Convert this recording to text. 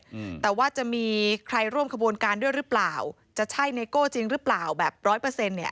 อืมแต่ว่าจะมีใครร่วมขบวนการด้วยหรือเปล่าจะใช่ไนโก้จริงหรือเปล่าแบบร้อยเปอร์เซ็นต์เนี่ย